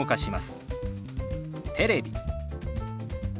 「テレビ」。